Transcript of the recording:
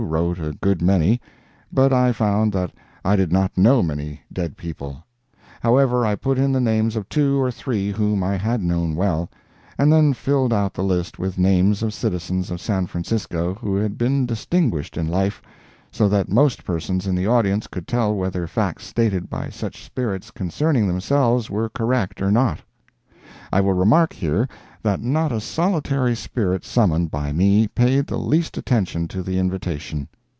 wrote a good many, but I found that I did not know many dead people; however, I put in the names of two or three whom I had known well, and then filled out the list with names of citizens of San Francisco who had been distinguished in life, so that most persons in the audience could tell whether facts stated by such spirits concerning themselves were correct or not. I will remark here that not a solitary spirit summoned by me paid the least attention to the invitation.